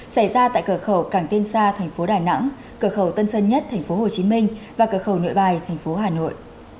xảy ra tại cửa khẩu cảng tiên sa tp đà nẵng cửa khẩu tân sơn nhất tp hồ chí minh và cửa khẩu nội bài tp hà nội